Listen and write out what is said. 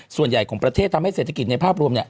ส่วนใหญ่ของประเทศทำให้เศรษฐกิจในภาพรวมเนี่ย